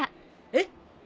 えっ！？